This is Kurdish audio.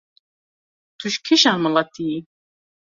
Tu ji kîjan miletî yî?